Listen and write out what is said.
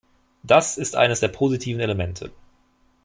Das ist eines der positiven Elemente.